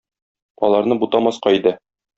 Аларны бутамаска иде.